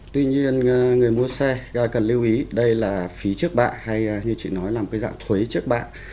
tuy nhiên người mua xe cần lưu ý đây là phí trước bạ hay như chị nói là một cái dạng thuế trước bạn